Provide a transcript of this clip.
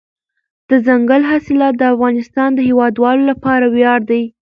دځنګل حاصلات د افغانستان د هیوادوالو لپاره ویاړ دی.